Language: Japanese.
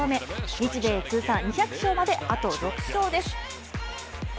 日米通算２００勝まであと６勝です。